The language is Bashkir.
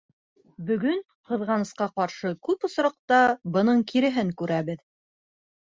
Бөгөн, ҡыҙғанысҡа ҡаршы, күп осраҡта бының киреһен күрәбеҙ.